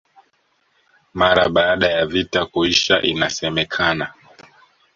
Mara baada ya vita kuisha inasemekana